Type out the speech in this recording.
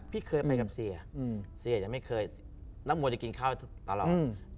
พี่เคยไปกับเสียแล้วมัวจะกินข้าวตลอด